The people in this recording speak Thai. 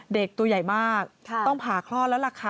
เด็กตัวใหญ่มากต้องผ่าคลอดแล้วล่ะค่ะ